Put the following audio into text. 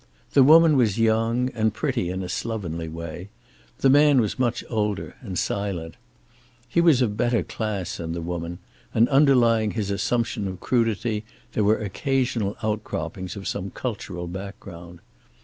The woman was young, and pretty in a slovenly way. The man was much older, and silent. He was of better class than the woman, and underlying his assumption of crudity there were occasional outcroppings of some cultural background.